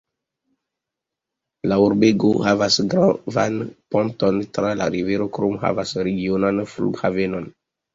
La urbego havas gravan ponton tra la rivero krome havas regionan flughavenon.